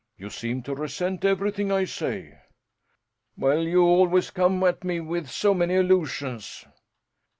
"You seem to resent everything I say." "Well, you always come at me with so many allusions!"